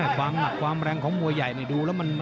ความยากความแรงของมวย่ายดูแล้ว